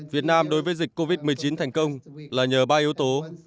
việt nam đối với dịch covid một mươi chín thành công là nhờ ba yếu tố